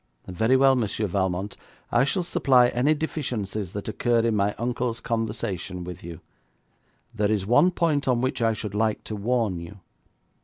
'Very well, Monsieur Valmont, I shall supply any deficiencies that occur in my uncle's conversation with you. There is one point on which I should like to warn you.